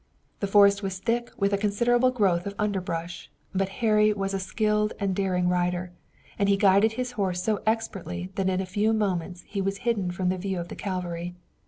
The forest was thick with a considerable growth of underbrush, but Harry was a skillful and daring rider, and he guided his horse so expertly that in a few moments he was hidden from the view of the cavalry.